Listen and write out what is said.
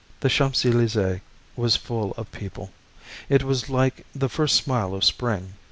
The Champs Elysées was full of people. It was like the first smile of spring.